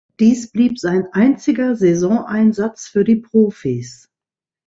Dies blieb sein einziger Saisoneinsatz für die Profis.